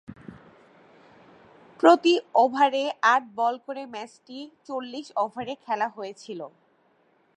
প্রতি ওভারে আট বল করে ম্যাচটি চল্লিশ ওভারে খেলা হয়েছিল।